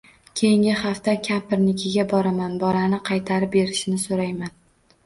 Keyingi hafta kampirnikiga boraman, bolani qaytarib berishini soʻrayman.